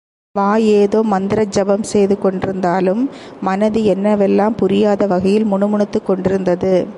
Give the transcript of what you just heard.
வாய் ஏதோ மந்திர ஜபம் செய்து கொண்டிருந்தாலும், மனது என்னவெல்லாமோ புரியாத வகையில் முணுமுணுத்துக் கொண்டிருந்தது.